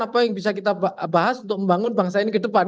apa yang bisa kita bahas untuk membangun bangsa ini ke depan